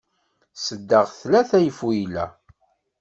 Sseddaɣ-d tlata ifuyla.